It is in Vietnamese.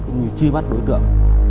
cũng như truy bắt đối tượng